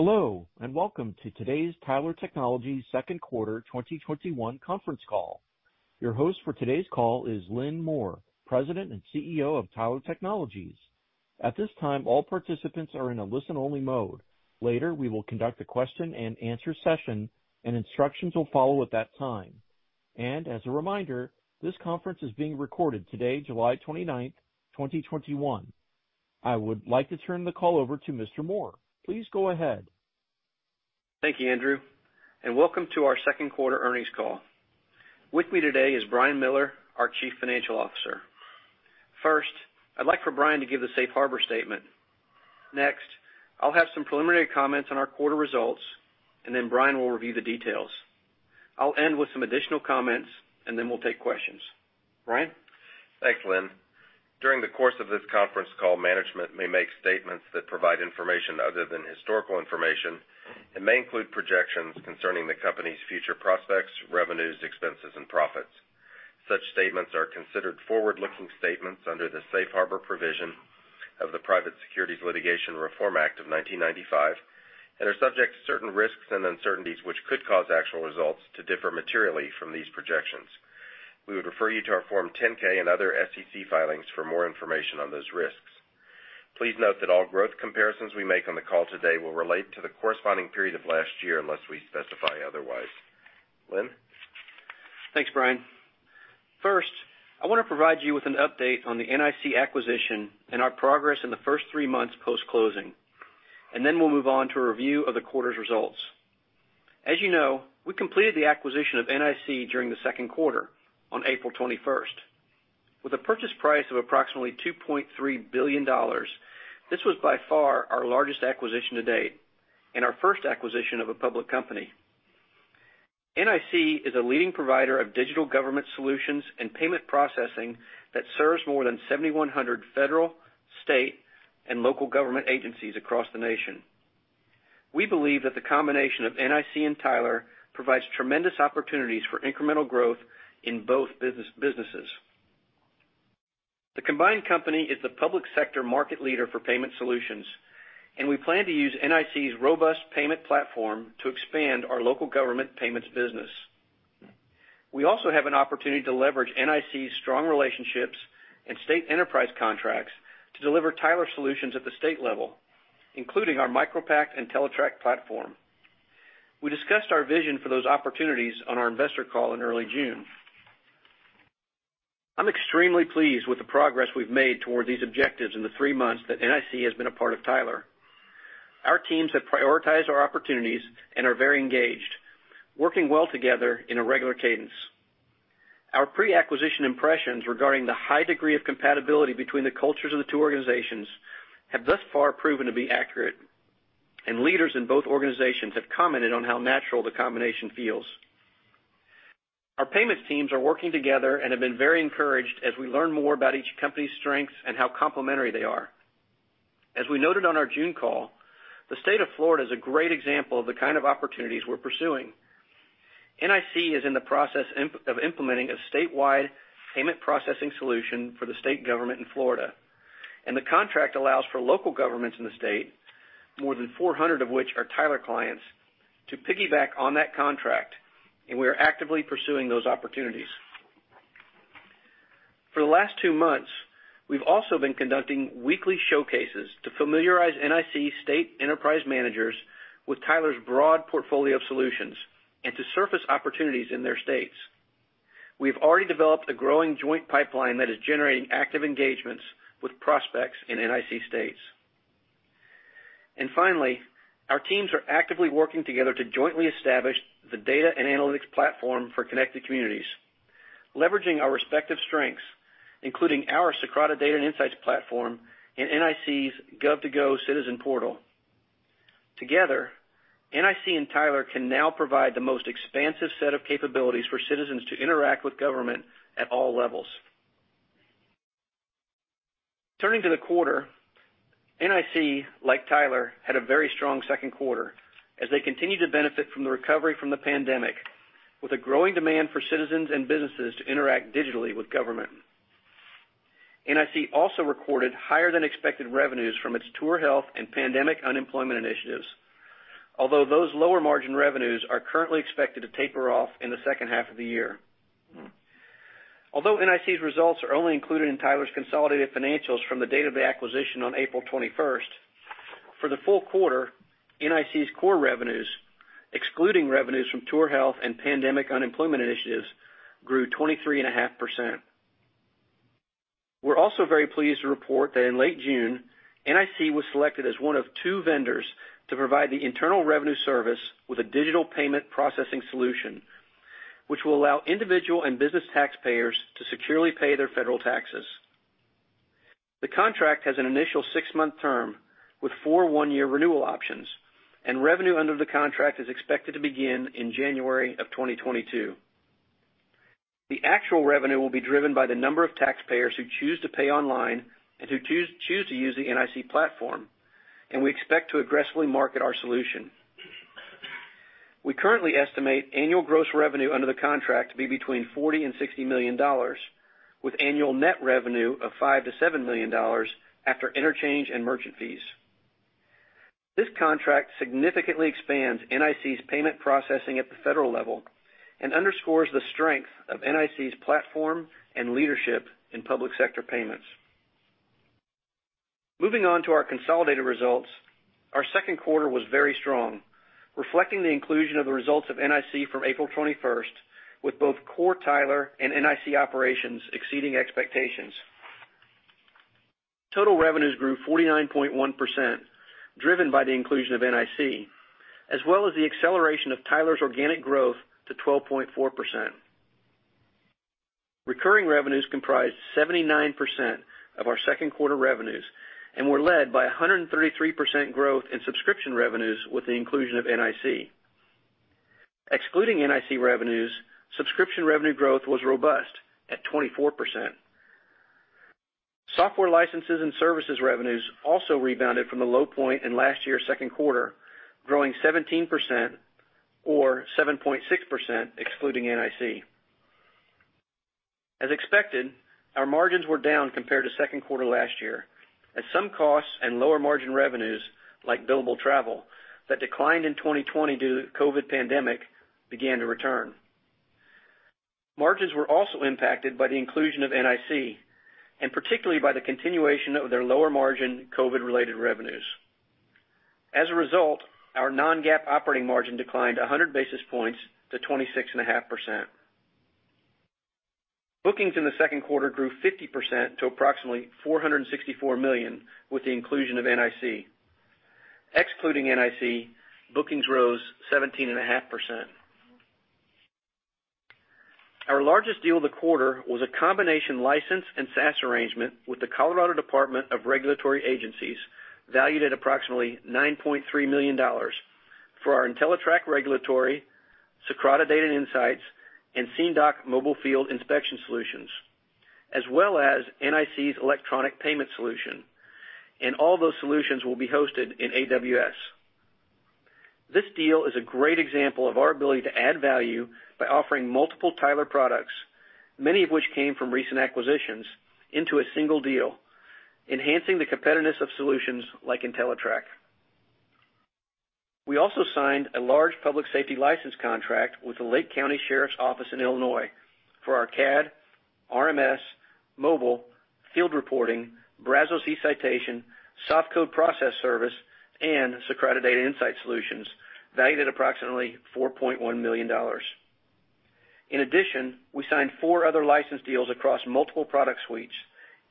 Hello, welcome to today's Tyler Technologies second quarter 2021 conference call. Your host for today's call is Lynn Moore, President and CEO of Tyler Technologies. At this time, all participants are in a listen-only mode. Later, we will conduct a question and answer session, and instructions will follow at that time. As a reminder, this conference is being recorded today, July 29th, 2021. I would like to turn the call over to Mr. Moore. Please go ahead. Thank you, Andrew, and welcome to our second quarter earnings call. With me today is Brian Miller, our Chief Financial Officer. First, I'd like for Brian to give the safe harbor statement. Next, I'll have some preliminary comments on our quarter results, and then Brian will review the details. I'll end with some additional comments, and then we'll take questions. Brian? Thanks, Lynn. During the course of this conference call, management may make statements that provide information other than historical information and may include projections concerning the company's future prospects, revenues, expenses, and profits. Such statements are considered forward-looking statements under the safe harbor provision of the Private Securities Litigation Reform Act of 1995 and are subject to certain risks and uncertainties which could cause actual results to differ materially from these projections. We would refer you to our Form 10-K and other SEC filings for more information on those risks. Please note that all growth comparisons we make on the call today will relate to the corresponding period of last year, unless we specify otherwise. Lynn? Thanks, Brian. First, I want to provide you with an update on the NIC acquisition and our progress in the first three months post-closing, and then we'll move on to a review of the quarter's results. As you know, we completed the acquisition of NIC during the second quarter on April 21st. With a purchase price of approximately $2.3 billion, this was by far our largest acquisition to date and our first acquisition of a public company. NIC is a leading provider of digital government solutions and payment processing that serves more than 7,100 federal, state, and local government agencies across the nation. We believe that the combination of NIC and Tyler provides tremendous opportunities for incremental growth in both businesses. The combined company is the public sector market leader for payment solutions, and we plan to use NIC's robust payment platform to expand our local government payments business. We also have an opportunity to leverage NIC's strong relationships and state enterprise contracts to deliver Tyler solutions at the state level, including our MicroPact and Entellitrak platform. We discussed our vision for those opportunities on our investor call in early June. I'm extremely pleased with the progress we've made toward these objectives in the three months that NIC has been a part of Tyler. Our teams have prioritized our opportunities and are very engaged, working well together in a regular cadence. Our pre-acquisition impressions regarding the high degree of compatibility between the cultures of the two organizations have thus far proven to be accurate, and leaders in both organizations have commented on how natural the combination feels. Our payments teams are working together and have been very encouraged as we learn more about each company's strengths and how complementary they are. As we noted on our June call, the state of Florida is a great example of the kind of opportunities we're pursuing. NIC is in the process of implementing a statewide payment processing solution for the state government in Florida, and the contract allows for local governments in the state, more than 400 of which are Tyler clients, to piggyback on that contract, and we are actively pursuing those opportunities. For the last two months, we've also been conducting weekly showcases to familiarize NIC state enterprise managers with Tyler's broad portfolio of solutions and to surface opportunities in their states. We've already developed a growing joint pipeline that is generating active engagements with prospects in NIC states. Finally, our teams are actively working together to jointly establish the data and analytics platform for connected communities, leveraging our respective strengths, including our Socrata data and insights platform and NIC's Gov2Go citizen portal. Together, NIC and Tyler can now provide the most expansive set of capabilities for citizens to interact with government at all levels. Turning to the quarter, NIC, like Tyler, had a very strong second quarter as they continue to benefit from the recovery from the pandemic, with a growing demand for citizens and businesses to interact digitally with government. NIC also recorded higher than expected revenues from its TourHealth and pandemic unemployment initiatives. Those lower margin revenues are currently expected to taper off in the second half of the year. Although NIC's results are only included in Tyler Technologies's consolidated financials from the date of the acquisition on April 21st, for the full quarter, NIC's core revenues, excluding revenues from TourHealth and pandemic unemployment initiatives, grew 23.5%. We're also very pleased to report that in late June, NIC was selected as one of two vendors to provide the Internal Revenue Service with a digital payment processing solution, which will allow individual and business taxpayers to securely pay their federal taxes. The contract has an initial 6-month term with four one-year renewal options, and revenue under the contract is expected to begin in January of 2022. The actual revenue will be driven by the number of taxpayers who choose to pay online and who choose to use the NIC platform. We expect to aggressively market our solution. We currently estimate annual gross revenue under the contract to be between $40 million and $60 million, with annual net revenue of $5 million to $7 million after interchange and merchant fees. This contract significantly expands NIC's payment processing at the federal level and underscores the strength of NIC's platform and leadership in public sector payments. Moving on to our consolidated results, our second quarter was very strong, reflecting the inclusion of the results of NIC from April 21st, with both core Tyler and NIC operations exceeding expectations. Total revenues grew 49.1%, driven by the inclusion of NIC, as well as the acceleration of Tyler's organic growth to 12.4%. Recurring revenues comprised 79% of our second quarter revenues and were led by 133% growth in subscription revenues with the inclusion of NIC. Excluding NIC revenues, subscription revenue growth was robust at 24%. Software licenses and services revenues also rebounded from a low point in last year's second quarter, growing 17%, or 7.6% excluding NIC. As expected, our margins were down compared to second quarter last year as some costs and lower margin revenues, like billable travel, that declined in 2020 due to COVID pandemic began to return. Margins were also impacted by the inclusion of NIC, and particularly by the continuation of their lower margin COVID-related revenues. As a result, our non-GAAP operating margin declined 100 basis points to 26.5%. Bookings in the second quarter grew 50% to approximately $464 million with the inclusion of NIC. Excluding NIC, bookings rose 17.5%. Our largest deal of the quarter was a combination license and SaaS arrangement with the Colorado Department of Regulatory Agencies, valued at $9.3 million for our Entellitrak Regulatory, Socrata Data and Insights, and SceneDoc Mobile Field Inspection Solutions. All those solutions will be hosted in AWS. This deal is a great example of our ability to add value by offering multiple Tyler products, many of which came from recent acquisitions, into a single deal, enhancing the competitiveness of solutions like Entellitrak. We also signed a large public safety license contract with the Lake County Sheriff's Office in Illinois for our CAD, RMS, mobile, field reporting, Brazos eCitation, SoftCode process service, and Socrata Data Insight solutions, valued at $4.1 million. In addition, we signed four other license deals across multiple product suites,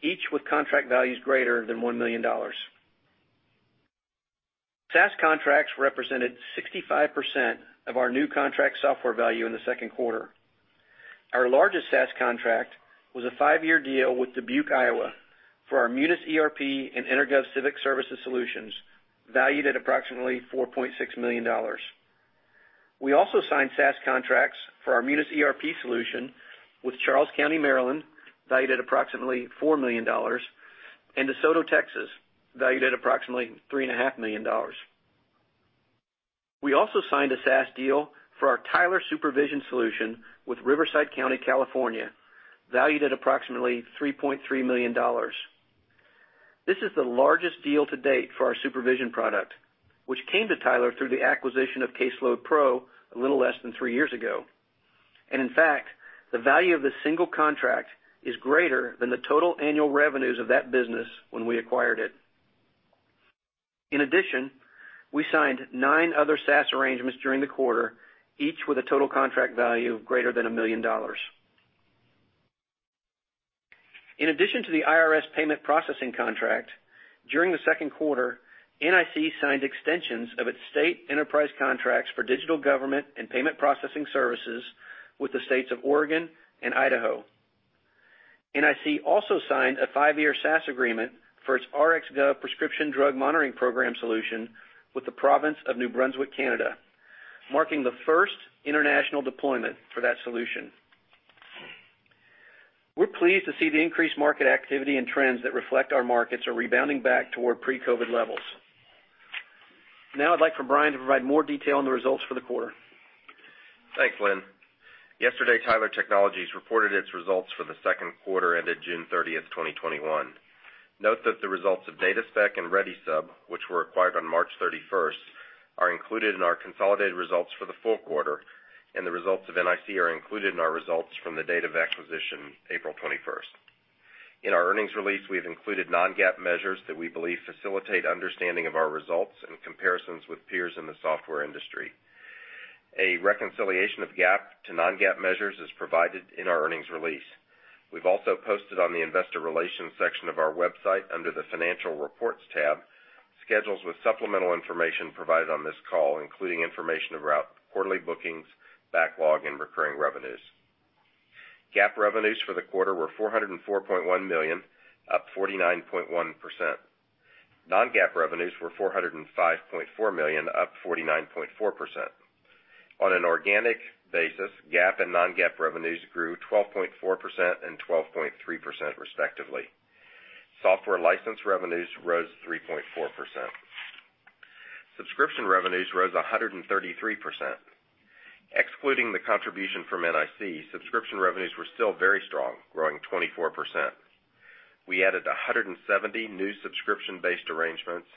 each with contract values greater than $1 million. SaaS contracts represented 65% of our new contract software value in the second quarter. Our largest SaaS contract was a five-year deal with Dubuque, Iowa, for our Munis ERP and Energov Civic Services solutions, valued at approximately $4.6 million. We also signed SaaS contracts for our Munis ERP solution with Charles County, Maryland, valued at approximately $4 million, and DeSoto, Texas, valued at approximately $3.5 million. We also signed a SaaS deal for our Tyler Supervision solution with Riverside County, California, valued at approximately $3.3 million. This is the largest deal to date for our Supervision product, which came to Tyler through the acquisition of CaseloadPRO a little less than three years ago. In fact, the value of this single contract is greater than the total annual revenues of that business when we acquired it. In addition, we signed nine other SaaS arrangements during the quarter, each with a total contract value of greater than $1 million. In addition to the IRS payment processing contract, during the second quarter, NIC signed extensions of its state enterprise contracts for digital government and payment processing services with the states of Oregon and Idaho. NIC also signed a five-year SaaS agreement for its RxGov prescription drug monitoring program solution with the province of New Brunswick, Canada, marking the first international deployment for that solution. We're pleased to see the increased market activity and trends that reflect our markets are rebounding back toward pre-COVID levels. Now I'd like for Brian to provide more detail on the results for the quarter. Thanks, Lynn. Yesterday, Tyler Technologies reported its results for the second quarter ended June 30th, 2021. Note that the results of DataSpec and ReadySub, which were acquired on March 31st, are included in our consolidated results for the full quarter, and the results of NIC are included in our results from the date of acquisition, April 21st. In our earnings release, we've included non-GAAP measures that we believe facilitate understanding of our results and comparisons with peers in the software industry. A reconciliation of GAAP to non-GAAP measures is provided in our earnings release. We've also posted on the investor relations section of our website, under the financial reports tab, schedules with supplemental information provided on this call, including information about quarterly bookings, backlog, and recurring revenues. GAAP revenues for the quarter were $404.1 million, up 49.1%. Non-GAAP revenues were $405.4 million, up 49.4%. On an organic basis, GAAP and non-GAAP revenues grew 12.4% and 12.3% respectively. Software license revenues rose 3.4%. Subscription revenues rose 133%. Excluding the contribution from NIC, subscription revenues were still very strong, growing 24%. We added 170 new subscription-based arrangements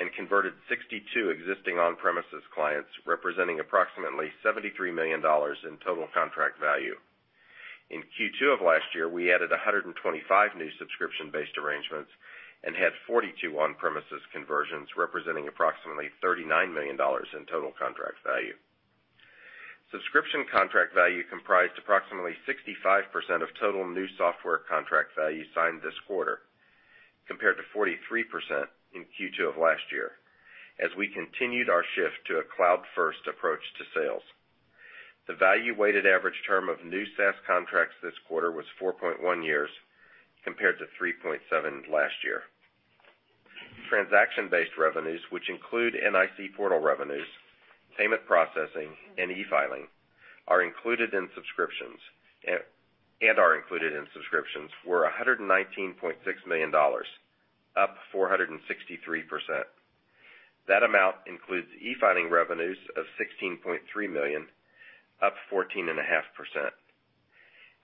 and converted 62 existing on-premises clients, representing approximately $73 million in total contract value. In Q2 of last year, we added 125 new subscription-based arrangements and had 42 on-premises conversions, representing approximately $39 million in total contract value. Subscription contract value comprised approximately 65% of total new software contract value signed this quarter, compared to 43% in Q2 of last year, as we continued our shift to a cloud-first approach to sales. The value-weighted average term of new SaaS contracts this quarter was 4.1 years, compared to 3.7 last year. Transaction-based revenues, which include NIC portal revenues, payment processing, and e-filing, and are included in subscriptions, were $119.6 million, up 463%. That amount includes e-filing revenues of $16.3 million, up 14.5%.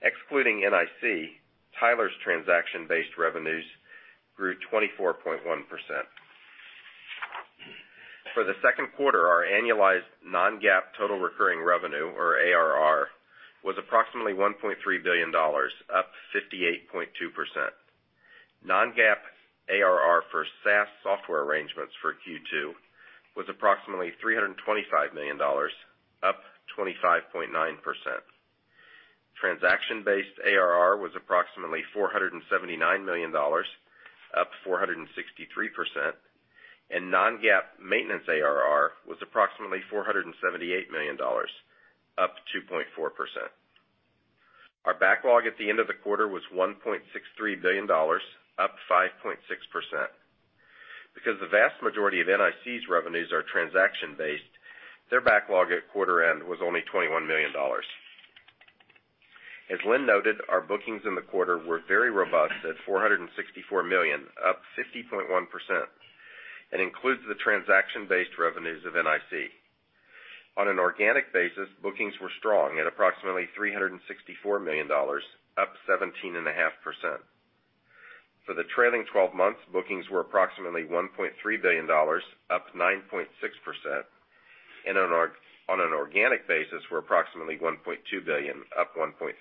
Excluding NIC, Tyler's transaction-based revenues grew 24.1%. For the second quarter, our annualized non-GAAP total recurring revenue, or ARR, was approximately $1.3 billion, up 58.2%. Non-GAAP ARR for SaaS software arrangements for Q2 was approximately $325 million, up 25.9%. Transaction-based ARR was approximately $479 million, up 463%, and non-GAAP maintenance ARR was approximately $478 million, up 2.4%. Our backlog at the end of the quarter was $1.63 billion, up 5.6%. Because the vast majority of NIC's revenues are transaction-based, their backlog at quarter end was only $21 million. As Lynn noted, our bookings in the quarter were very robust at $464 million, up 50.1%, and includes the transaction-based revenues of NIC. On an organic basis, bookings were strong at approximately $364 million, up 17.5%. For the trailing 12 months, bookings were approximately $1.3 billion, up 9.6%, and on an organic basis were approximately $1.2 billion, up 1.3%.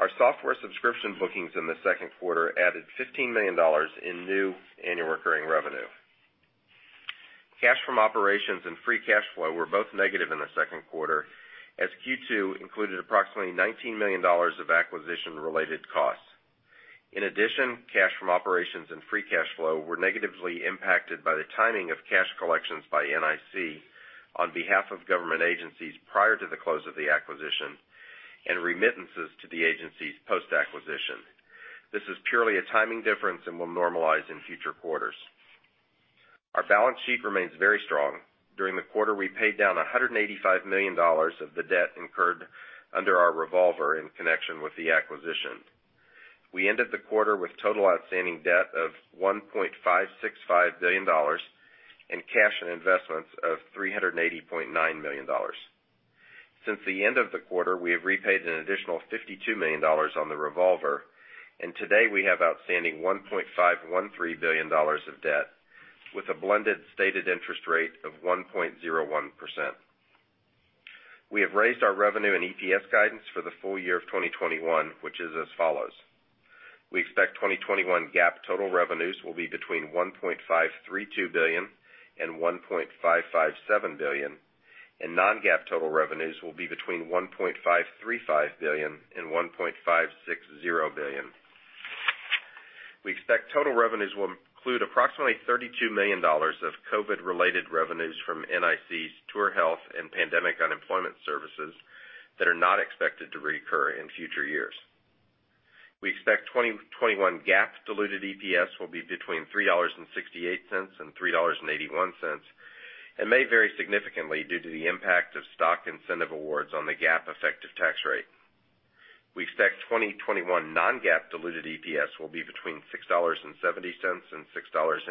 Our software subscription bookings in the second quarter added $15 million in new ARR. Cash from operations and free cash flow were both negative in the second quarter, as Q2 included approximately $19 million of acquisition-related costs. In addition, cash from operations and free cash flow were negatively impacted by the timing of cash collections by NIC on behalf of government agencies prior to the close of the acquisition, and remittances to the agencies post-acquisition. This is purely a timing difference and will normalize in future quarters. Our balance sheet remains very strong. During the quarter, we paid down $185 million of the debt incurred under our revolver in connection with the acquisition. We ended the quarter with total outstanding debt of $1.565 billion and cash and investments of $380.9 million. Since the end of the quarter, we have repaid an additional $52 million on the revolver. Today we have outstanding $1.513 billion of debt with a blended stated interest rate of 1.01%. We have raised our revenue and EPS guidance for the full year of 2021, which is as follows. We expect 2021 GAAP total revenues will be between $1.532 billion and $1.557 billion. Non-GAAP total revenues will be between $1.535 billion and $1.560 billion. We expect total revenues will include approximately $32 million of COVID-related revenues from NIC's TourHealth and pandemic unemployment services that are not expected to recur in future years. We expect 2021 GAAP diluted EPS will be between $3.68 and $3.81, and may vary significantly due to the impact of stock incentive awards on the GAAP effective tax rate. We expect 2021 non-GAAP diluted EPS will be between $6.70 and $6.80.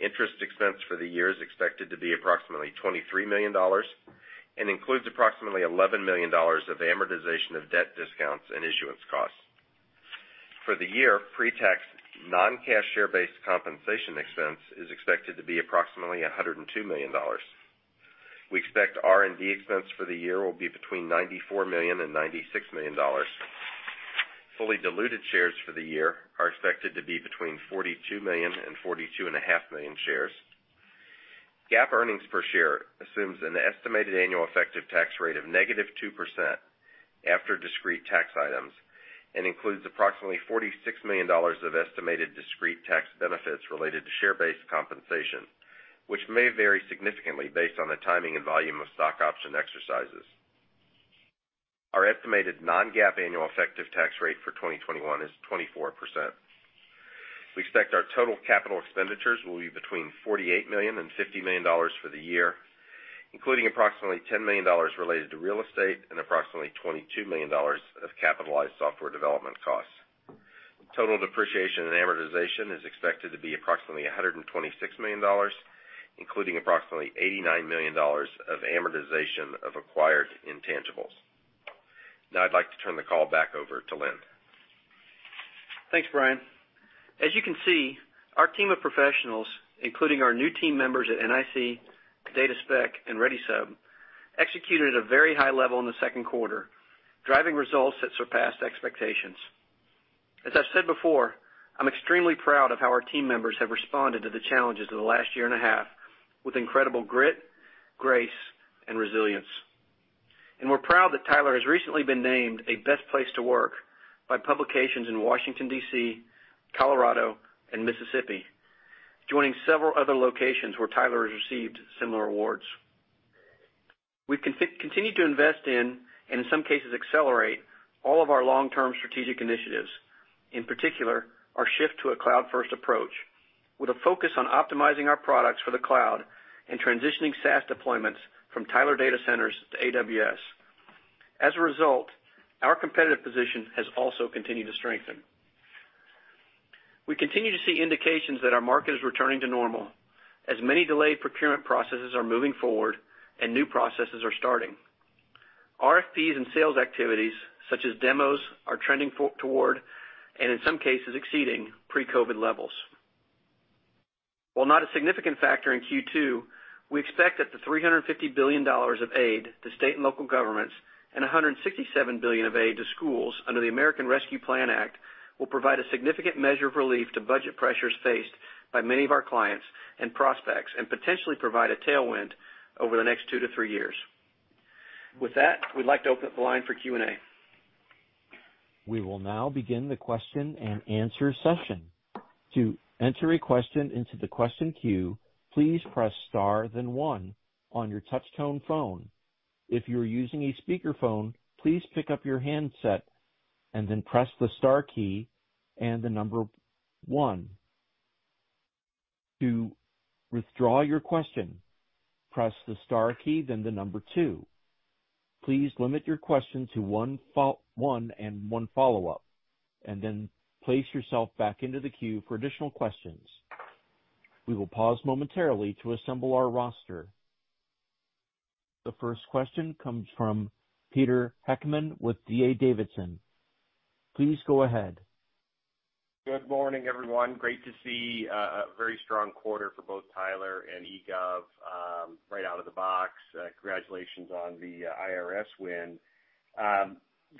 Interest expense for the year is expected to be approximately $23 million and includes approximately $11 million of amortization of debt discounts and issuance costs. For the year, pre-tax non-cash share-based compensation expense is expected to be approximately $102 million. We expect R&D expense for the year will be between $94 million and $96 million. Fully diluted shares for the year are expected to be between 42 million and 42.5 million shares. GAAP earnings per share assumes an estimated annual effective tax rate of negative 2% after discrete tax items and includes approximately $46 million of estimated discrete tax benefits related to share-based compensation, which may vary significantly based on the timing and volume of stock option exercises. Our estimated non-GAAP annual effective tax rate for 2021 is 24%. We expect our total capital expenditures will be between $48 million and $50 million for the year, including approximately $10 million related to real estate and approximately $22 million of capitalized software development costs. Total depreciation and amortization is expected to be approximately $126 million, including approximately $89 million of amortization of acquired intangibles. Now I'd like to turn the call back over to Lynn. Thanks, Brian. As you can see, our team of professionals, including our new team members at NIC, DataSpec, and ReadySub, executed at a very high level in the second quarter, driving results that surpassed expectations. As I've said before, I'm extremely proud of how our team members have responded to the challenges of the last year and a half with incredible grit, grace, and resilience. We're proud that Tyler has recently been named a best place to work by publications in Washington, D.C., Colorado, and Mississippi, joining several other locations where Tyler has received similar awards. We've continued to invest in, and in some cases accelerate, all of our long-term strategic initiatives, in particular, our shift to a cloud-first approach with a focus on optimizing our products for the cloud and transitioning SaaS deployments from Tyler data centers to AWS. As a result, our competitive position has also continued to strengthen. We continue to see indications that our market is returning to normal as many delayed procurement processes are moving forward and new processes are starting. RFPs and sales activities such as demos are trending toward, and in some cases exceeding, pre-COVID levels. While not a significant factor in Q2, we expect that the $350 billion of aid to state and local governments and $167 billion of aid to schools under the American Rescue Plan Act will provide a significant measure of relief to budget pressures faced by many of our clients and prospects and potentially provide a tailwind over the next two to three years. With that, we'd like to open up the line for Q&A. The first question comes from Peter Heckmann with D.A. Davidson. Please go ahead. Good morning, everyone. Great to see a very strong quarter for both Tyler and EGov right out of the box. Congratulations on the IRS win.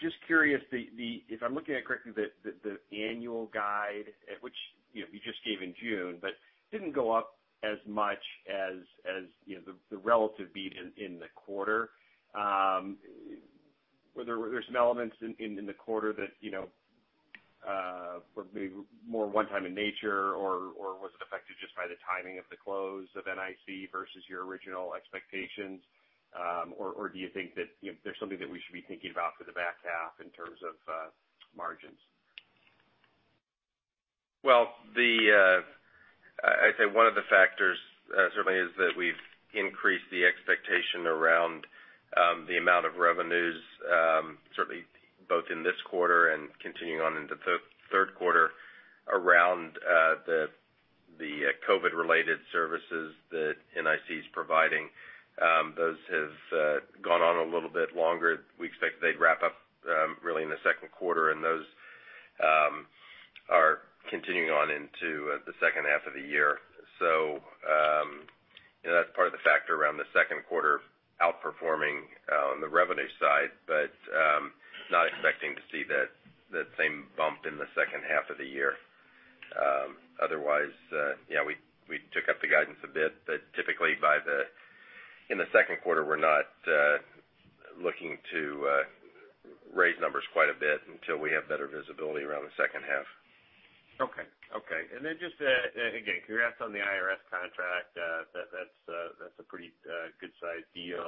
Just curious, if I'm looking at it correctly, the annual guide, which you just gave in June, but didn't go up as much as the relative beat in the quarter. Were there some elements in the quarter that were maybe more one time in nature, or was it affected just by the timing of the close of NIC versus your original expectations? Or do you think that there's something that we should be thinking about for the back half in terms of margins? Well, I'd say one of the factors certainly is that we've increased the expectation around the amount of revenues, certainly both in this quarter and continuing on into third quarter around the COVID-related services that NIC is providing. Those have gone on a little bit longer. We expected they'd wrap up really in the second quarter, and those are continuing on into the second half of the year. That's part of the factor around the second quarter outperforming on the revenue side, but not expecting to see that same bump in the second half of the year. Otherwise, yeah, we took up the guidance a bit, but typically in the second quarter, we're not looking to raise numbers quite a bit until we have better visibility around the second half. Okay. Just, again, congrats on the IRS contract. That's a pretty good-sized deal.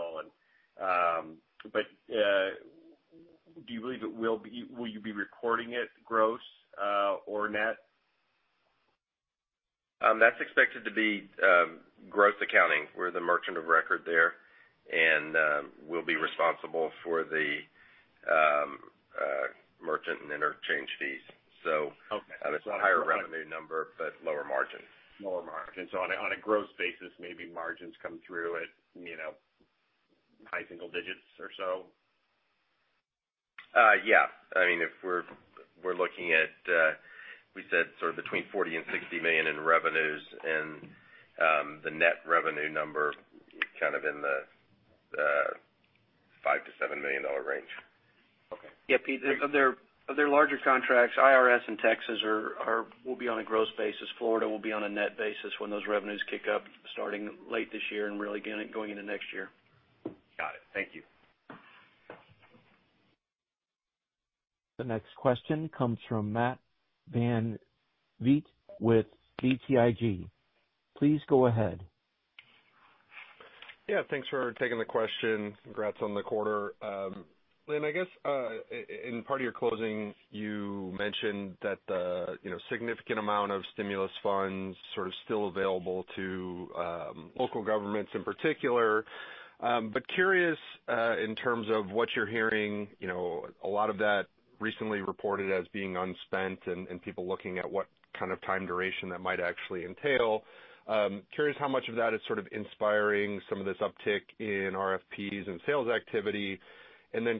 Do you believe will you be recording it gross or net? That's expected to be gross accounting. We're the merchant of record there, and we'll be responsible for the merchant and interchange fees. Okay. It's a higher revenue number, but lower margin. Lower margin. On a gross basis, maybe margins come through at high single digits or so? Yeah. If we're looking at, we said sort of between $40 million and $60 million in revenues and the net revenue number kind of in the $5 million-$7 million range. Okay. Yeah, Peter, of their larger contracts, IRS and Texas will be on a gross basis. Florida will be on a net basis when those revenues kick up starting late this year and really going into next year. Got it. Thank you. The next question comes from Matt VanVliet with BTIG. Please go ahead Yeah. Thanks for taking the question. Congrats on the quarter. Lynn, I guess, in part of your closing, you mentioned that the significant amount of stimulus funds sort of still available to local governments in particular. Curious, in terms of what you're hearing, a lot of that recently reported as being unspent and people looking at what kind of time duration that might actually entail. Curious how much of that is sort of inspiring some of this uptick in RFPs and sales activity.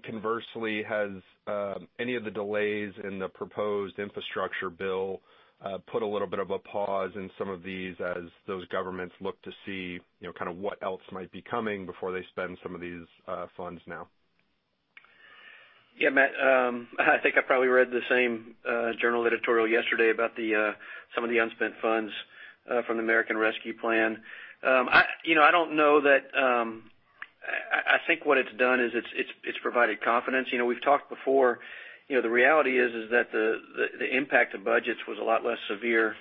Conversely, has any of the delays in the proposed infrastructure bill put a little bit of a pause in some of these as those governments look to see what else might be coming before they spend some of these funds now? Yeah, Matt, I think I probably read the same journal editorial yesterday about some of the unspent funds from the American Rescue Plan Act. I think what it's done is it's provided confidence. We've talked before, the reality is that the impact of budgets was a lot less severe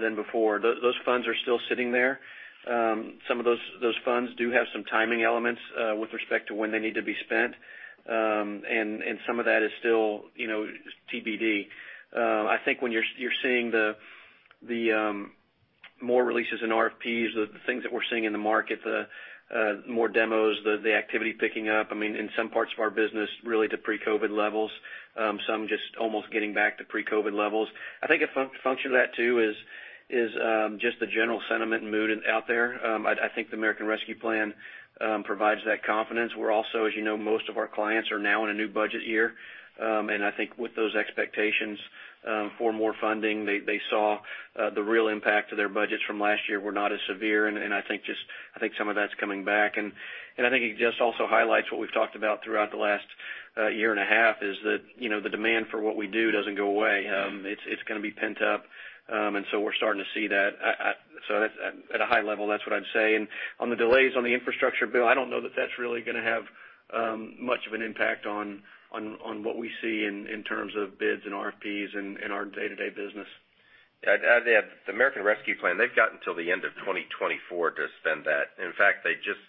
than before. Those funds are still sitting there. Some of those funds do have some timing elements with respect to when they need to be spent. Some of that is still TBD. I think when you're seeing the more releases in RFPs, the things that we're seeing in the market, the more demos, the activity picking up, I mean, in some parts of our business, really to pre-COVID levels. Some just almost getting back to pre-COVID levels. I think a function of that too is just the general sentiment and mood out there. I think the American Rescue Plan provides that confidence. We're also, as you know, most of our clients are now in a new budget year. I think with those expectations for more funding, they saw the real impact to their budgets from last year were not as severe, and I think some of that's coming back. I think it just also highlights what we've talked about throughout the last year and a half, is that the demand for what we do doesn't go away. It's going to be pent up, we're starting to see that. At a high level, that's what I'd say. On the delays on the infrastructure bill, I don't know that that's really going to have much of an impact on what we see in terms of bids and RFPs in our day-to-day business. Yeah. The American Rescue Plan Act, they've got until the end of 2024 to spend that. In fact, they just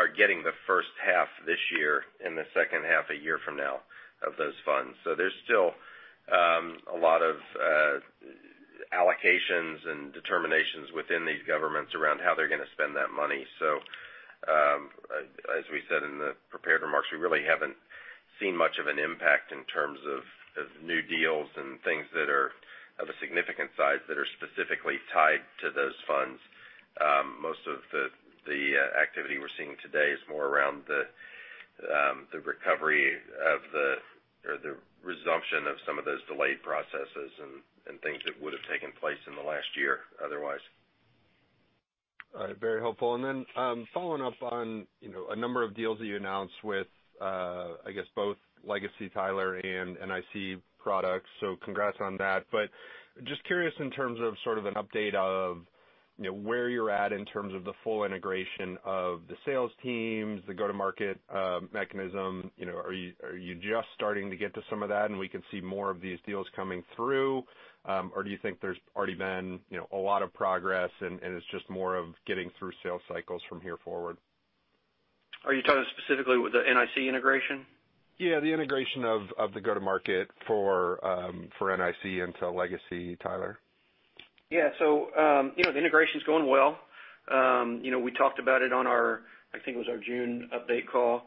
are getting the first half this year and the second half a year from now of those funds. There's still a lot of allocations and determinations within these governments around how they're going to spend that money. As we said in the prepared remarks, we really haven't seen much of an impact in terms of new deals and things that are of a significant size that are specifically tied to those funds. Most of the activity we're seeing today is more around the recovery or the resumption of some of those delayed processes and things that would've taken place in the last year, otherwise. All right. Very helpful. Following up on a number of deals that you announced with, I guess, both legacy Tyler and NIC products, so congrats on that. Just curious in terms of sort of an update of where you're at in terms of the full integration of the sales teams, the go-to-market mechanism. Are you just starting to get to some of that and we can see more of these deals coming through? Do you think there's already been a lot of progress and it's just more of getting through sales cycles from here forward? Are you talking specifically with the NIC integration? Yeah, the integration of the go-to-market for NIC into legacy Tyler. Yeah. The integration's going well. We talked about it on our, I think it was our June update call.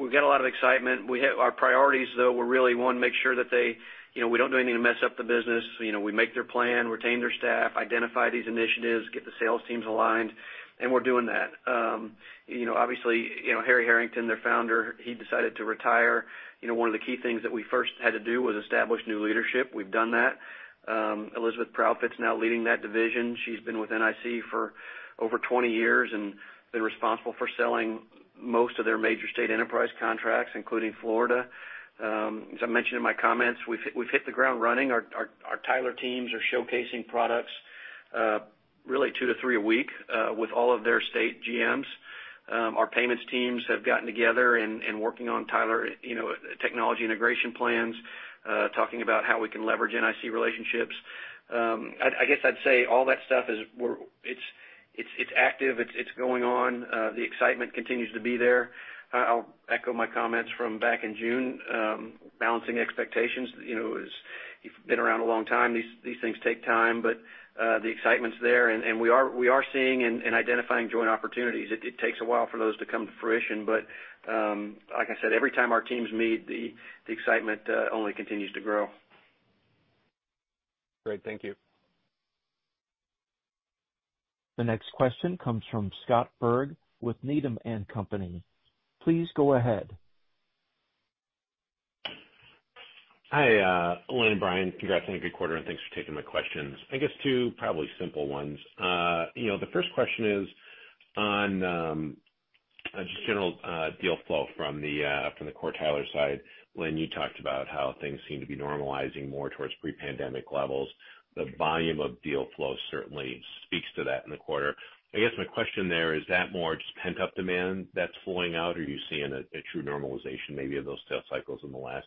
We've got a lot of excitement. Our priorities, though, were really, one, make sure that we don't do anything to mess up the business. We make their plan, retain their staff, identify these initiatives, get the sales teams aligned, and we're doing that. Obviously, Harry Herington, their founder, he decided to retire. One of the key things that we first had to do was establish new leadership. We've done that. Elizabeth Proudfit's now leading that division. She's been with NIC for over 20 years and been responsible for selling most of their major state enterprise contracts, including Florida. As I mentioned in my comments, we've hit the ground running. Our Tyler teams are showcasing products really two to three a week with all of their state GMs. Our payments teams have gotten together and working on Tyler Technologies integration plans, talking about how we can leverage NIC relationships. I guess I'd say all that stuff, it's active. It's going on. The excitement continues to be there. I'll echo my comments from back in June. Balancing expectations, as you've been around a long time, these things take time, but the excitement's there and we are seeing and identifying joint opportunities. It takes a while for those to come to fruition, but like I said, every time our teams meet, the excitement only continues to grow. Great. Thank you. The next question comes from Scott Berg with Needham & Company. Please go ahead. Hi, Lynn, Brian. Congrats on a good quarter, and thanks for taking my questions. I guess two probably simple ones. The first question is on just general deal flow from the Core Tyler side. Lynn, you talked about how things seem to be normalizing more towards pre-pandemic levels. The volume of deal flow certainly speaks to that in the quarter. I guess my question there, is that more just pent-up demand that's flowing out, or are you seeing a true normalization maybe of those sales cycles in the last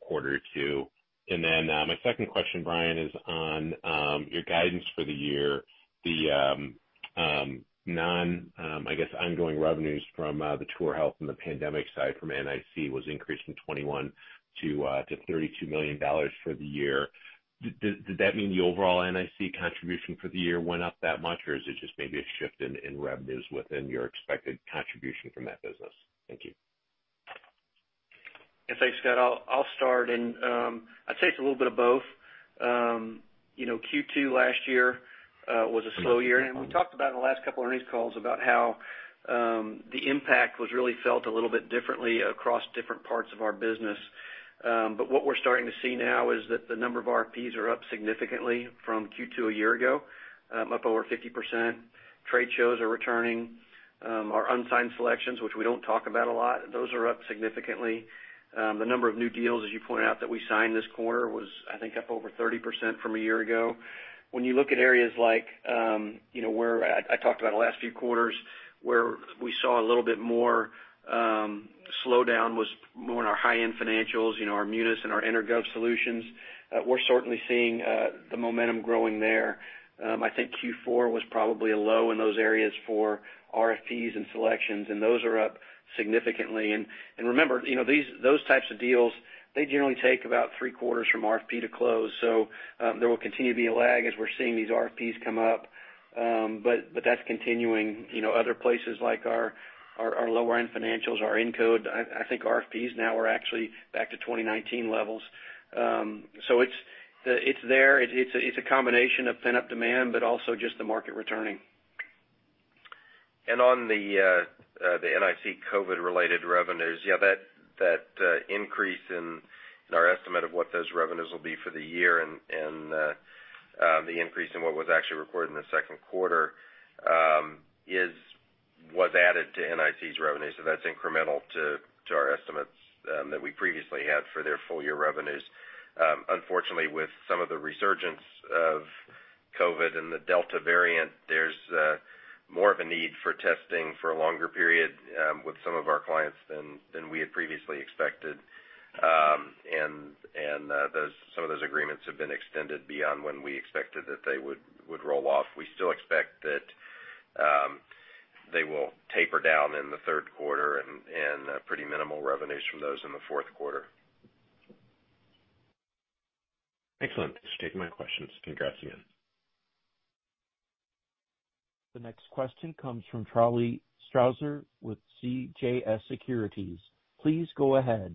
quarter or two? My second question, Brian, is on your guidance for the year. The non-ongoing revenues from the TourHealth and the pandemic side from NIC was increased from $21 million to $32 million for the year. Did that mean the overall NIC contribution for the year went up that much, or is it just maybe a shift in revenues within your expected contribution from that business? Thank you. Yeah. Thanks, Scott. I'll start and I'd say it's a little bit of both. Q2 last year was a slow year, and we talked about in the last couple of earnings calls about how the impact was really felt a little bit differently across different parts of our business. What we're starting to see now is that the number of RFPs are up significantly from Q2 a year ago, up over 50%. Trade shows are returning. Our unsigned selections, which we don't talk about a lot, those are up significantly. The number of new deals, as you pointed out, that we signed this quarter was, I think, up over 30% from a year ago. When you look at areas like where I talked about the last three quarters, where we saw a little bit more slowdown was more in our high-end financials, our Munis, and our EnerGov solutions. We're certainly seeing the momentum growing there. I think Q4 was probably a low in those areas for RFPs and selections, and those are up significantly. Remember, those types of deals, they generally take about three quarters from RFP to close. There will continue to be a lag as we're seeing these RFPs come up. That's continuing. Other places like our lower-end financials, our EnerGov, I think RFPs now are actually back to 2019 levels. It's there. It's a combination of pent-up demand, but also just the market returning. On the NIC COVID-related revenues, that increase in our estimate of what those revenues will be for the year and the increase in what was actually recorded in the second quarter was added to NIC's revenue. That's incremental to our estimates that we previously had for their full-year revenues. Unfortunately, with some of the resurgence of COVID and the Delta variant, there's more of a need for testing for a longer period with some of our clients than we had previously expected. Some of those agreements have been extended beyond when we expected that they would roll off. We still expect that they will taper down in the third quarter and pretty minimal revenues from those in the fourth quarter. Excellent. Thanks for taking my questions. Congrats again. The next question comes from Charlie Strauzer with CJS Securities. Please go ahead.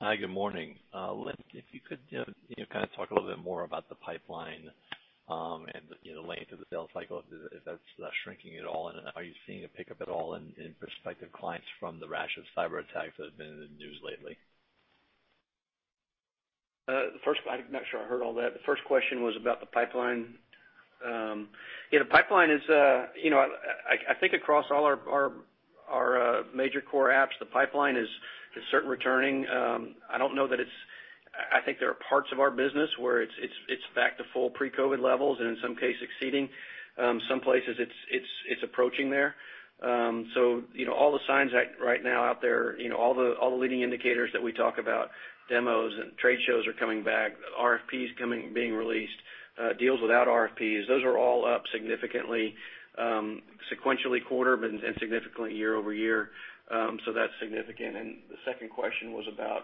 Hi, good morning. Lynn, if you could talk a little bit more about the pipeline and the length of the sales cycle, if that's shrinking at all, and are you seeing a pickup at all in prospective clients from the rash of cyber attacks that have been in the news lately? I'm not sure I heard all that. The first question was about the pipeline. I think across all our major core apps, the pipeline is certain returning. I think there are parts of our business where it's back to full pre-COVID levels, and in some cases exceeding. Some places it's approaching there. All the signs right now out there, all the leading indicators that we talk about, demos and trade shows are coming back, RFPs being released, deals without RFPs, those are all up significantly, sequentially quarter, but significantly year-over-year. That's significant. The second question was about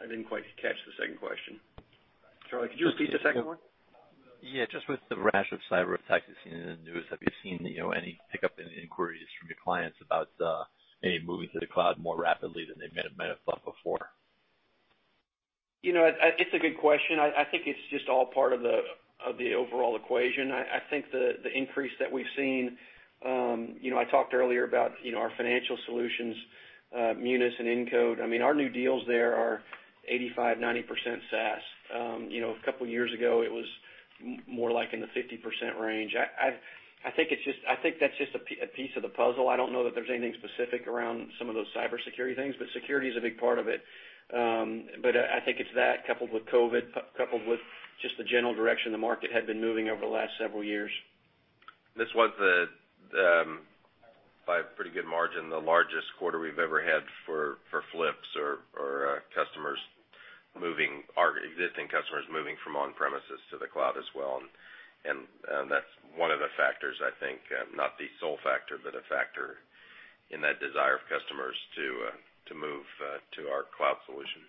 I didn't quite catch the second question. Charlie, could you repeat the second one? Yeah. Just with the rash of cyber attacks you've seen in the news, have you seen any pickup in inquiries from your clients about maybe moving to the cloud more rapidly than they might have thought before? It's a good question. I think it's just all part of the overall equation. I think the increase that we've seen, I talked earlier about our financial solutions, Munis, and EnerGov. Our new deals there are 85%-90% SaaS. A couple of years ago, it was more like in the 50% range. I think that's just a piece of the puzzle. I don't know that there's anything specific around some of those cybersecurity things, but security is a big part of it. I think it's that coupled with COVID, coupled with just the general direction the market had been moving over the last several years. This was by a pretty good margin, the largest quarter we've ever had for flips or existing customers moving from on-premises to the cloud as well. That's one of the factors, I think, not the sole factor, but a factor in that desire of customers to move to our cloud solution.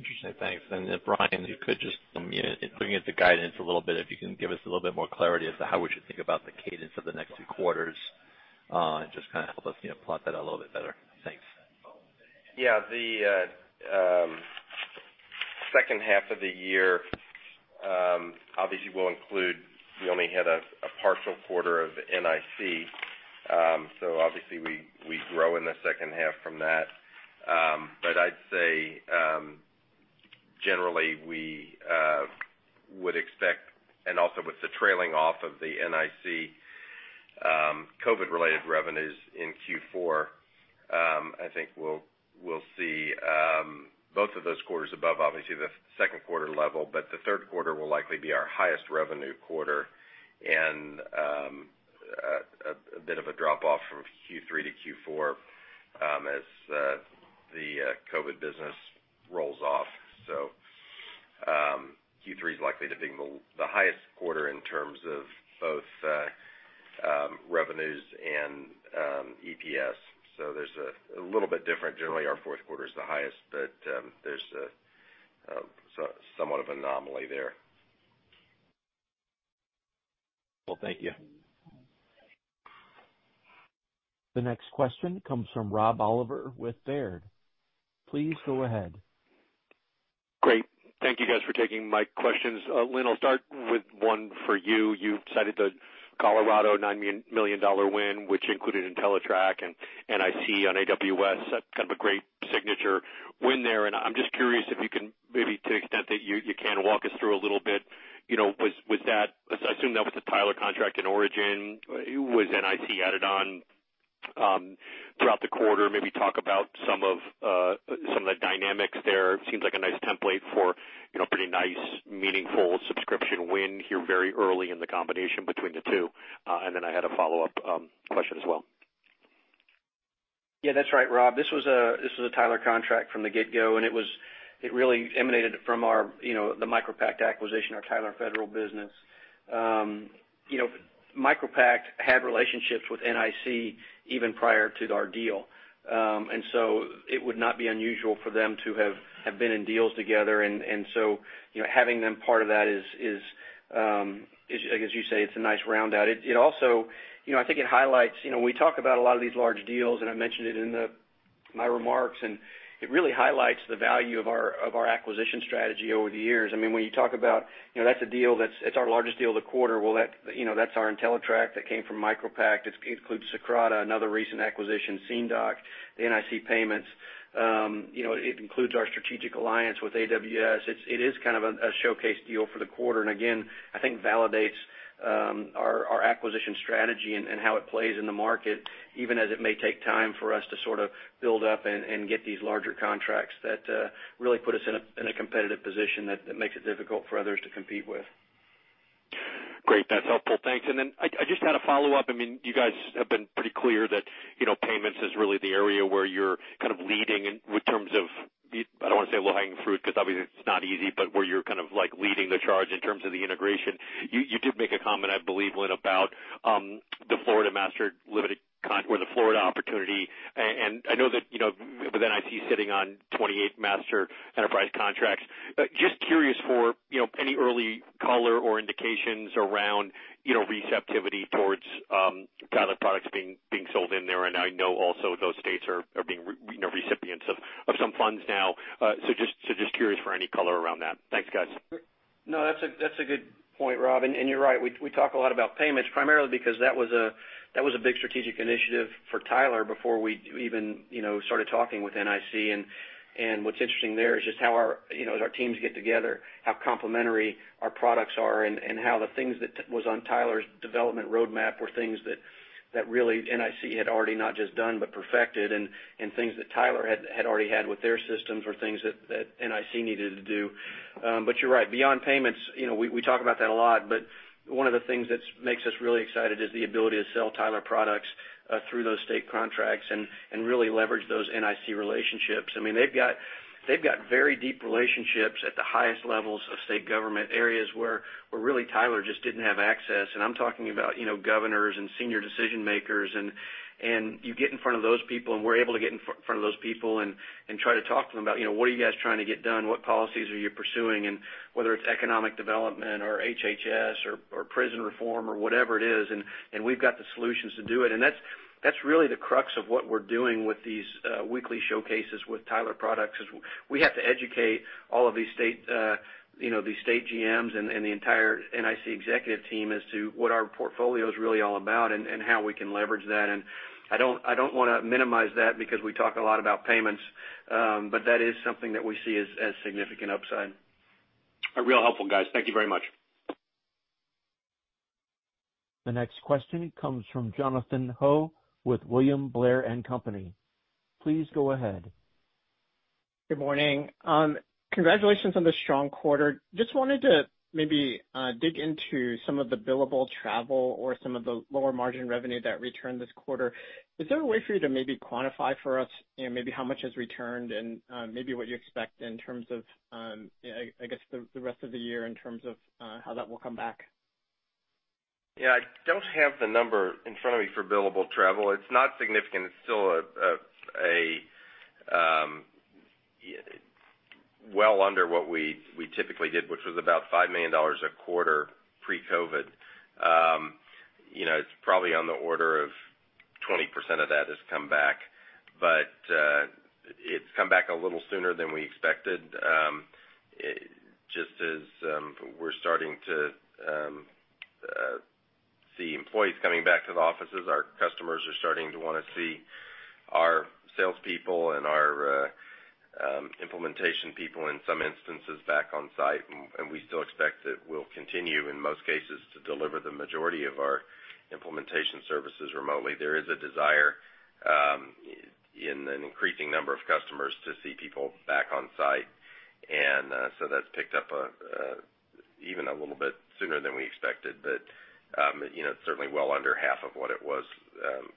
Interesting. Thanks. Brian, if you could just, bringing up the guidance a little bit, if you can give us a little bit more clarity as to how we should think about the cadence of the next two quarters and just help us plot that out a little bit better. Thanks. The second half of the year obviously will include, we only had a partial quarter of NIC. Obviously we grow in the second half from that. Generally, we would expect, and also with the trailing off of the NIC COVID-related revenues in Q4, I think we'll see both of those quarters above, obviously the second quarter level, but the third quarter will likely be our highest revenue quarter and a bit of a drop off from Q3 to Q4 as the COVID business rolls off. Q3 is likely to be the highest quarter in terms of both revenues and EPS. There's a little bit different. Generally, our fourth quarter is the highest, but there's somewhat of anomaly there. Well, thank you. The next question comes from Rob Oliver with Baird. Please go ahead. Great. Thank you guys for taking my questions. Lynn, I'll start with one for you. You've cited the Colorado $9 million win, which included Entellitrak and NIC on AWS, kind of a great signature win there. I'm just curious if you can maybe to the extent that you can walk us through a little bit. I assume that was a Tyler contract in origin. Was NIC added on throughout the quarter? Maybe talk about some of the dynamics there. It seems like a nice template for pretty nice, meaningful subscription win here very early in the combination between the two. Then I had a follow-up question as well. Yeah, that's right, Rob. This was a Tyler contract from the get-go, and it really emanated from the MicroPact acquisition, our Tyler federal business. MicroPact had relationships with NIC even prior to our deal. It would not be unusual for them to have been in deals together, and so, having them part of that is, as you say, it's a nice roundout. I think it highlights. We talk about a lot of these large deals, and I mentioned it in my remarks, and it really highlights the value of our acquisition strategy over the years. When you talk about that's our largest deal of the quarter, well, that's our Entellitrak that came from MicroPact. It includes Socrata, another recent acquisition, SceneDoc, the NIC payments. It includes our strategic alliance with AWS. It is kind of a showcase deal for the quarter, and again, I think validates our acquisition strategy and how it plays in the market, even as it may take time for us to sort of build up and get these larger contracts that really put us in a competitive position that makes it difficult for others to compete with. Great. That's helpful. Thanks. I just had a follow-up. You guys have been pretty clear that payments is really the area where you're kind of leading in terms of, I don't want to say low-hanging fruit, because obviously it's not easy, but where you're kind of leading the charge in terms of the integration. You did make a comment, I believe, Lynn, about the Florida Master Limited or the Florida opportunity, but then I see you sitting on 28 master enterprise contracts. Just curious for any early color or indications around receptivity towards Tyler products being sold in there, and I know also those states are being recipients of some funds now. Just curious for any color around that. Thanks, guys. That's a good point, Rob, and you're right. We talk a lot about payments primarily because that was a big strategic initiative for Tyler before we even started talking with NIC. What's interesting there is just how as our teams get together, how complementary our products are, and how the things that was on Tyler's development roadmap were things that really NIC had already not just done, but perfected and things that Tyler had already had with their systems or things that NIC needed to do. You're right. Beyond payments, we talk about that a lot, but one of the things that makes us really excited is the ability to sell Tyler products through those state contracts and really leverage those NIC relationships. They've got very deep relationships at the highest levels of state government areas where really Tyler just didn't have access, and I'm talking about governors and senior decision-makers. You get in front of those people, and we're able to get in front of those people and try to talk to them about what are you guys trying to get done, what policies are you pursuing, and whether it's economic development or HHS or prison reform or whatever it is, and we've got the solutions to do it. That's really the crux of what we're doing with these weekly showcases with Tyler products is we have to educate all of these state GMs and the entire NIC executive team as to what our portfolio is really all about and how we can leverage that. I don't want to minimize that because we talk a lot about payments, but that is something that we see as significant upside. Real helpful, guys. Thank you very much. The next question comes from Jonathan Ho with William Blair & Company. Please go ahead. Good morning. Congratulations on the strong quarter. Just wanted to maybe dig into some of the billable travel or some of the lower margin revenue that returned this quarter. Is there a way for you to maybe quantify for us maybe how much has returned and maybe what you expect in terms of, I guess the rest of the year in terms of how that will come back? Yeah. I don't have the number in front of me for billable travel. It's not significant. It's still well under what we typically did, which was about $5 million a quarter pre-COVID. It's probably on the order of 20% of that has come back. It's come back a little sooner than we expected. To see employees coming back to the offices. Our customers are starting to want to see our salespeople and our implementation people, in some instances, back on site. We still expect that we'll continue, in most cases, to deliver the majority of our implementation services remotely. There is a desire in an increasing number of customers to see people back on site. That's picked up even a little bit sooner than we expected. It's certainly well under half of what it was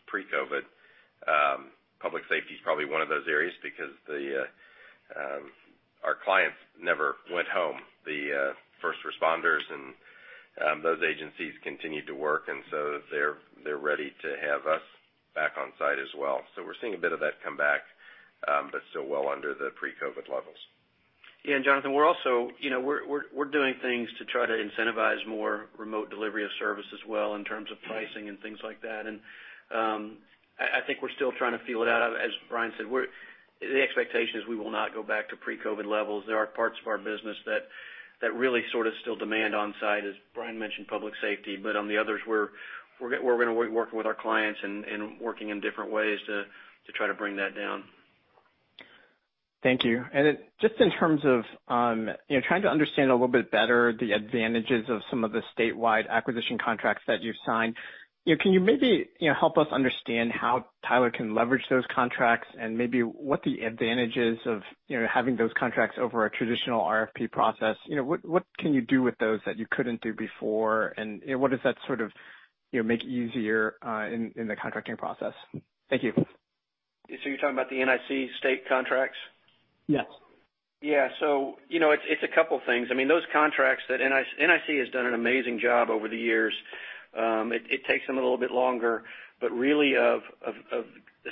pre-COVID. Public safety is probably one of those areas because our clients never went home. The first responders and those agencies continued to work, and so they're ready to have us back on site as well. We're seeing a bit of that come back, but still well under the pre-COVID levels. Yeah, Jonathan, we're doing things to try to incentivize more remote delivery of service as well in terms of pricing and things like that. I think we're still trying to feel it out. As Brian said, the expectation is we will not go back to pre-COVID levels. There are parts of our business that really sort of still demand on-site, as Brian mentioned, public safety. On the others, we're going to work with our clients and working in different ways to try to bring that down. Thank you. Just in terms of trying to understand a little bit better the advantages of some of the statewide acquisition contracts that you've signed. Can you maybe help us understand how Tyler can leverage those contracts and maybe what the advantages of having those contracts over a traditional RFP process? What can you do with those that you couldn't do before? What does that sort of make easier in the contracting process? Thank you. You're talking about the NIC state contracts? Yes. Yeah. It's a couple things. I mean, those contracts that NIC has done an amazing job over the years. It takes them a little bit longer, but really of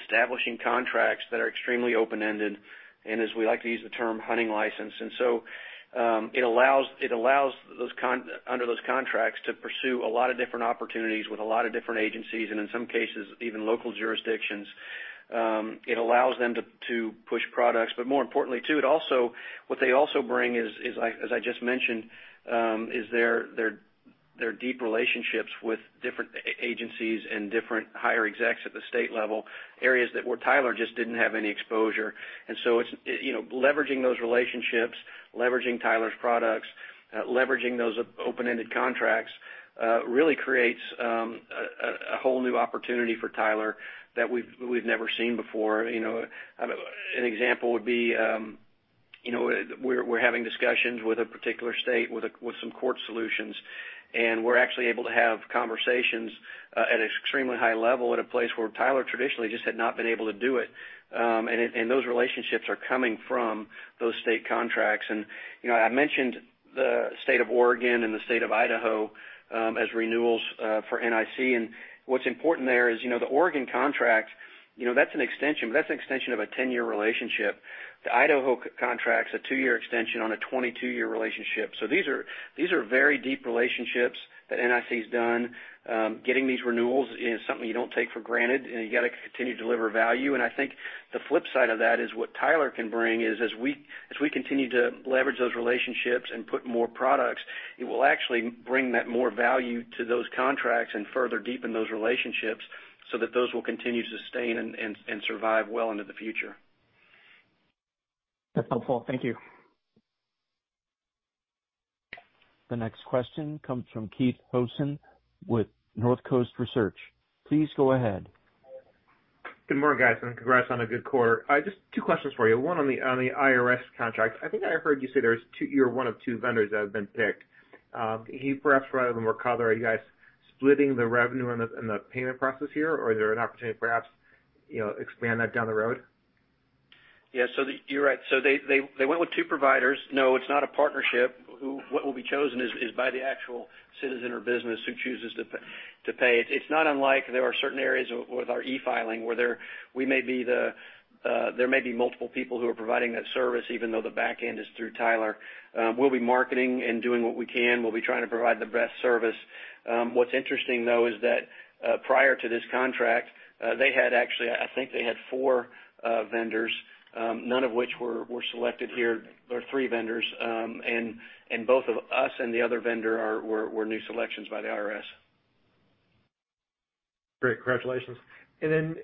establishing contracts that are extremely open-ended, and as we like to use the term, hunting license. It allows under those contracts to pursue a lot of different opportunities with a lot of different agencies, and in some cases, even local jurisdictions. It allows them to push products, but more importantly, too, what they also bring is, as I just mentioned, is their deep relationships with different agencies and different higher execs at the state level, areas where Tyler just didn't have any exposure. It's leveraging those relationships, leveraging Tyler's products, leveraging those open-ended contracts, really creates a whole new opportunity for Tyler that we've never seen before. An example would be we're having discussions with a particular state with some court solutions, and we're actually able to have conversations at an extremely high level at a place where Tyler traditionally just had not been able to do it. Those relationships are coming from those state contracts. I mentioned the state of Oregon and the state of Idaho as renewals for NIC, and what's important there is the Oregon contract, that's an extension. That's an extension of a 10-year relationship. The Idaho contract's a two-year extension on a 22-year relationship. These are very deep relationships that NIC has done. Getting these renewals is something you don't take for granted, and you got to continue to deliver value. I think the flip side of that is what Tyler can bring is as we continue to leverage those relationships and put more products, it will actually bring that more value to those contracts and further deepen those relationships so that those will continue to sustain and survive well into the future. That's helpful. Thank you. The next question comes from Keith Housum with Northcoast Research. Please go ahead. Good morning, guys, and congrats on a good quarter. Just two questions for you. One on the IRS contract. I think I heard you say you're one of two vendors that have been picked. Can you perhaps provide a more color? Are you guys splitting the revenue and the payment process here, or is there an opportunity perhaps expand that down the road? Yeah. You're right. They went with two providers. No, it's not a partnership. What will be chosen is by the actual citizen or business who chooses to pay it. It's not unlike there are certain areas with our e-filing where there may be multiple people who are providing that service, even though the back end is through Tyler. We'll be marketing and doing what we can. We'll be trying to provide the best service. What's interesting, though, is that prior to this contract, they had actually, I think they had four vendors, none of which were selected here, or three vendors. Both us and the other vendor were new selections by the IRS. Great. Congratulations. Looking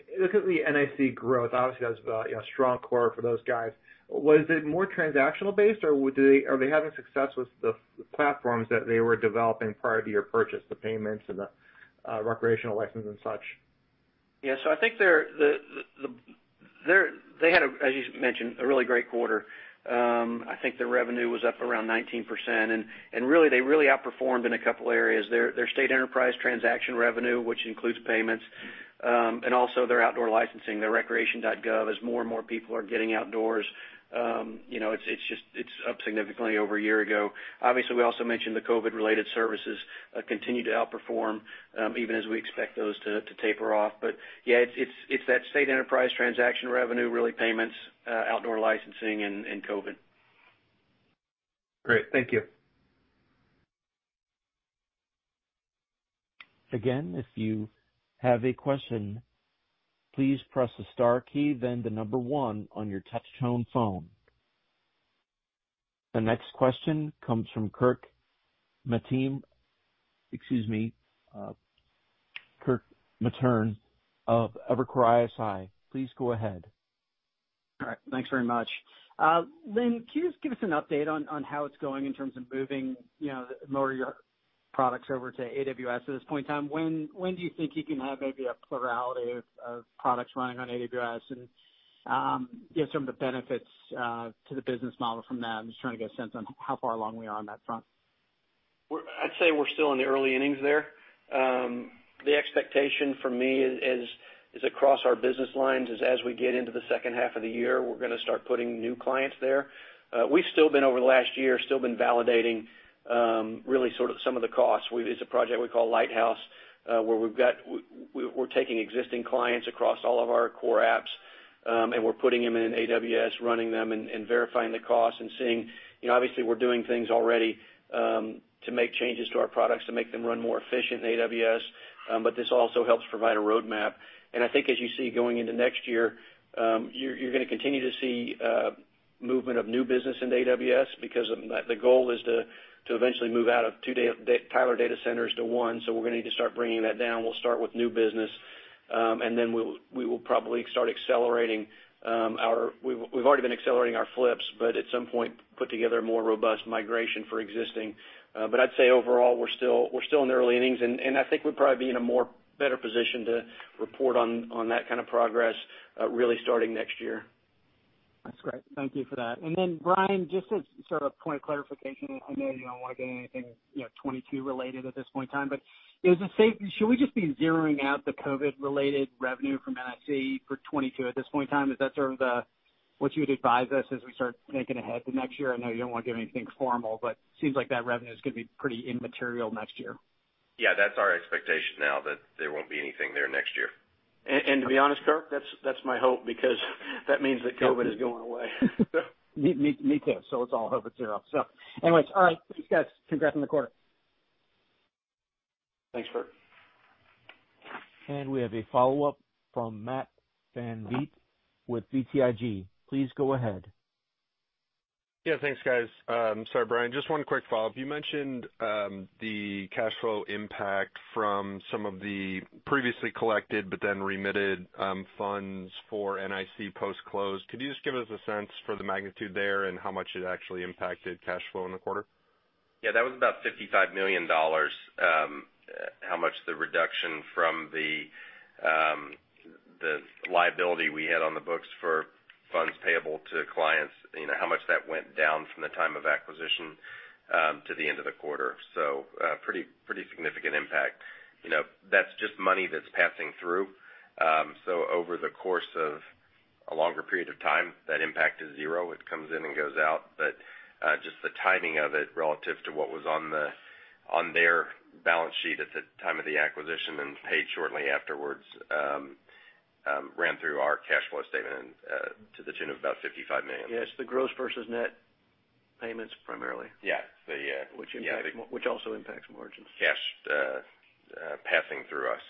at the NIC growth, obviously that was a strong quarter for those guys. Was it more transactional based, or are they having success with the platforms that they were developing prior to your purchase, the payments and the recreational license and such? Yeah. I think they had, as you mentioned, a really great quarter. I think their revenue was up around 19%, and really, they really outperformed in a couple areas. Their state enterprise transaction revenue, which includes payments, and also their outdoor licensing, their Recreation.gov, as more and more people are getting outdoors. It's up significantly over a year ago. Obviously, we also mentioned the COVID-related services continue to outperform, even as we expect those to taper off. Yeah, it's that state enterprise transaction revenue, really payments, outdoor licensing, and COVID. Great. Thank you. Again, if you have a question, please press the star key, then the number one on your touchtone phone. The next question comes from Kirk Materne. Excuse me, Kirk Materne of Evercore ISI. Please go ahead. All right, thanks very much. Lynn, can you just give us an update on how it's going in terms of moving more of your products over to AWS at this point in time? When do you think you can have maybe a plurality of products running on AWS and get some of the benefits to the business model from that? I'm just trying to get a sense on how far along we are on that front. I'd say we're still in the early innings there. The expectation for me is across our business lines, as we get into the second half of the year, we're going to start putting new clients there. We've still been, over the last year, validating really sort of some of the costs. It's a project we call Lighthouse, where we're taking existing clients across all of our core apps, and we're putting them in AWS, running them and verifying the costs and seeing. Obviously, we're doing things already to make changes to our products to make them run more efficient in AWS. This also helps provide a roadmap. I think as you see going into next year, you're going to continue to see movement of new business into AWS because the goal is to eventually move out of two Tyler data centers to one. We're going to need to start bringing that down. We'll start with new business, and then we will probably start accelerating. We've already been accelerating our flips, but at some point, put together a more robust migration for existing. I'd say overall, we're still in the early innings, and I think we'll probably be in a better position to report on that kind of progress really starting next year. That's great. Thank you for that. Brian, just as sort of point of clarification, I know you don't want to give anything 2022 related at this point in time. Should we just be zeroing out the COVID-related revenue from NIC for 2022 at this point in time? Is that sort of what you would advise us as we start thinking ahead to next year? I know you don't want to give anything formal, seems like that revenue is going to be pretty immaterial next year. Yeah, that's our expectation now, that there won't be anything there next year. To be honest, Kirk, that's my hope, because that means that COVID is going away. Me too. Let's all hope it's zero. Anyways. All right, thanks, guys. Congrats on the quarter. Thanks, Kirk. We have a follow-up from Matt VanVliet with BTIG. Please go ahead. Yeah, thanks, guys. Sorry, Brian, just one quick follow-up. You mentioned the cash flow impact from some of the previously collected but then remitted funds for NIC post-close. Could you just give us a sense for the magnitude there and how much it actually impacted cash flow in the quarter? Yeah, that was about $55 million. How much the reduction from the liability we had on the books for funds payable to clients, how much that went down from the time of acquisition to the end of the quarter. Pretty significant impact. That's just money that's passing through. Over the course of a longer period of time, that impact is zero. It comes in and goes out. Just the timing of it relative to what was on their balance sheet at the time of the acquisition and paid shortly afterwards ran through our cash flow statement to the tune of about $55 million. Yes, the gross versus net payments primarily. Yeah. Which also impacts margins. Cash passing through us.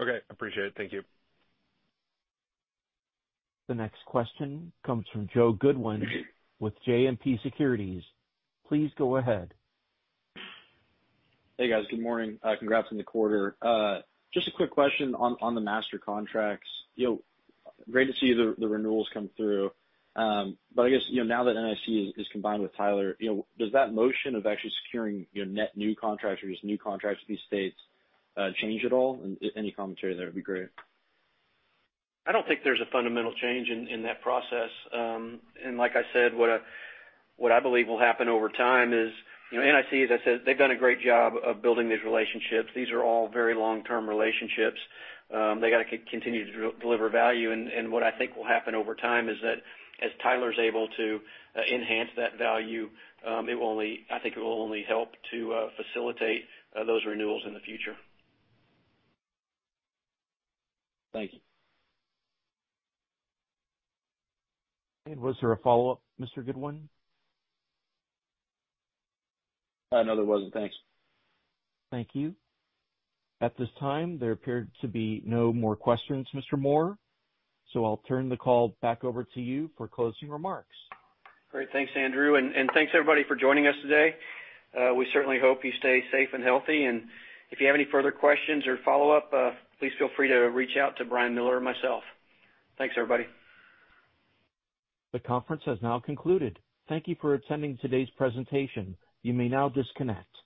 Okay, appreciate it. Thank you. The next question comes from Joe Goodwin with JMP Securities. Please go ahead. Hey, guys. Good morning. Congrats on the quarter. Just a quick question on the master contracts. Great to see the renewals come through. I guess, now that NIC is combined with Tyler, does that motion of actually securing net new contracts or just new contracts with these states change at all? Any commentary there would be great. I don't think there's a fundamental change in that process. Like I said, what I believe will happen over time is NIC, as I said, they've done a great job of building these relationships. These are all very long-term relationships. They got to continue to deliver value. What I think will happen over time is that as Tyler's able to enhance that value, I think it will only help to facilitate those renewals in the future. Thank you. Was there a follow-up, Mr. Goodwin? No, there wasn't. Thanks. Thank you. At this time, there appear to be no more questions, Mr. Moore, so I'll turn the call back over to you for closing remarks. Great. Thanks, Andrew. Thanks everybody for joining us today. We certainly hope you stay safe and healthy. If you have any further questions or follow up, please feel free to reach out to Brian Miller or myself. Thanks, everybody. The conference has now concluded. Thank you for attending today's presentation. You may now disconnect.